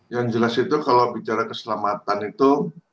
yang jelas itu kalau bicara keselamatan itu